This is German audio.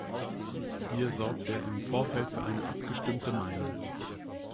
Hier sorgt er im Vorfeld für eine abgestimmte Meinung.